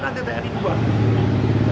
ada tni itu buat